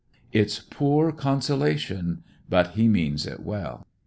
It's poor consolation, but he means it well.